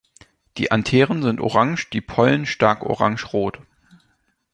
Die Antheren sind orange, die Pollen stark orangerot.